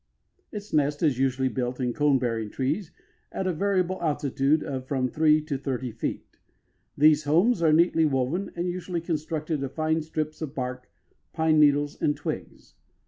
Its nest is usually built in cone bearing trees at a variable altitude of from three to thirty feet. These homes are neatly woven and usually constructed of fine strips of bark, pine needles and twigs.